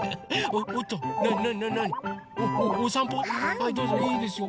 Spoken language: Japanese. はいどうぞいいですよ。